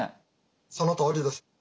そのとおりです。